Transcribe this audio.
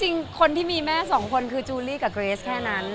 จริงคนที่มีแม่สองคนคือจูลี่กับเกรสแค่นั้น